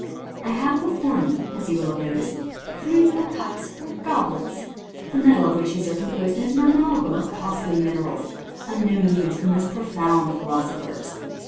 " I have before me, as you will have noticed, three little eups or goblets. The metal of which these are composed is an amalgam of costly minerals, unknown even to the most profound philosophers.